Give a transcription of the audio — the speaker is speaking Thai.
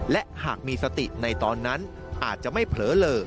และหากมีสติในตอนนั้นอาจจะไม่เผลอเลอ